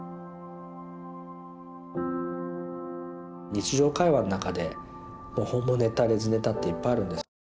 日常会話の中でホモネタレズネタっていっぱいあるんですよね。